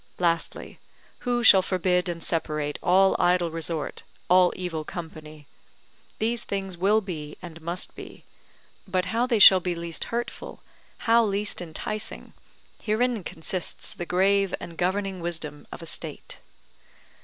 Lastly, who shall forbid and separate all idle resort, all evil company? These things will be, and must be; but how they shall be least hurtful, how least enticing, herein consists the grave and governing wisdom of a state.